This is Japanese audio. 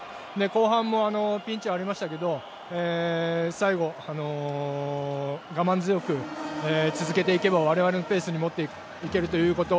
後半もピンチはありましたけど、最後、我慢強く続けていけば我々のペースに持っていけるということ。